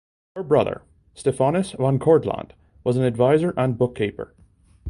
Her brother Stephanus van Cortlandt was an advisor and bookkeeper.